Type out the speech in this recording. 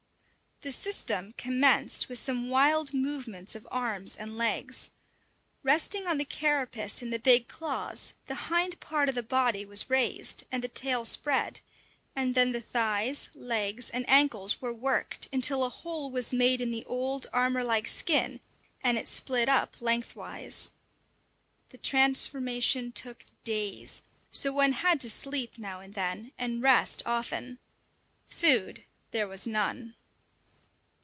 The "system" commenced with some wild movements of arms and legs. Resting on the carapace and the big claws, the hind part of the body was raised, and the tail spread, and then the thighs, legs, and ankles were worked until a hole was made in the old, armour like skin, and it split up length wise. The transformation took days, so one had to sleep now and then, and rest often. Food there was none.